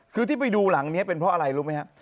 คือที่ไปดูหลังนี้เป็นเพราะอะไรรู้ไหมครับ